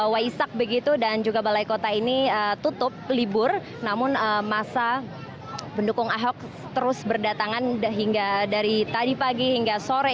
waisak begitu dan juga balai kota ini tutup libur namun masa pendukung ahok terus berdatangan hingga dari tadi pagi hingga sore